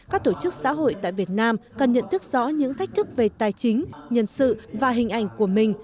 các tổ chức xã hội tại việt nam cần nhận thức rõ những thách thức về tài chính nhân sự và hình ảnh của mình